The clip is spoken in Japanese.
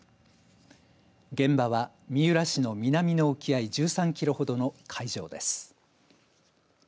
現場は三浦市の南の沖合１３キロほどの海上です。